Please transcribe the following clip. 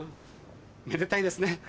めでたいですね。